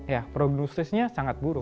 ya prognosisnya sangat buruk